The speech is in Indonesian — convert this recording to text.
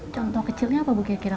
contoh kecilnya apa bu kira kira